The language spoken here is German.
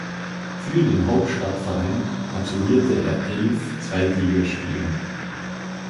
Für den Hauptstadtverein absolvierte er elf Zweitligaspiele.